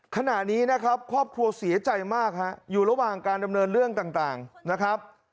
ขณะนี้นะครับครอบครัวเสียใจมากฮะอยู่ระหว่างการดำเนินเรื่องต่างนะครับ